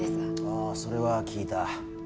ああそれは聞いた。